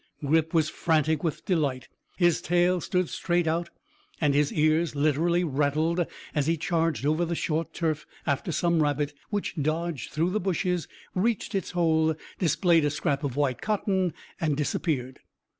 Grip was frantic with delight, his tail stood straight out, and his ears literally rattled as he charged over the short turf after some rabbit, which dodged through the bushes, reached its hole, displayed a scrap of white cotton, and disappeared.